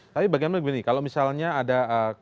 tapi bagaimana begini kalau misalnya ada